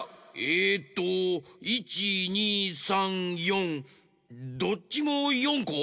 えっと１２３４どっちも４こ？